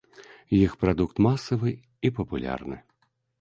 Іх прадукт масавы і папулярны.